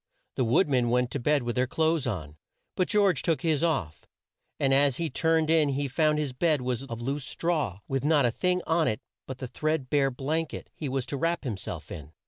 The wood men went to bed with their clothes on, but George took his off, and as he turned in he found his bed was of loose straw with not a thing on it but the thread bare blank et he was to wrap him self in.